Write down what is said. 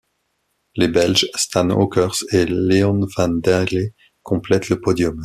Les Belges Stan Ockers et Leon van Daele complètent le podium.